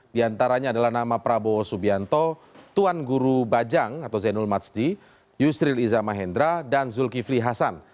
di antaranya adalah nama prabowo subianto tuan guru bajang atau zainul matsdi yusril iza mahendra dan zulkifli hasan